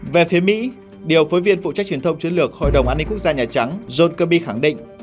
về phía mỹ điều phối viên phụ trách truyền thông chiến lược hội đồng an ninh quốc gia nhà trắng john kirby khẳng định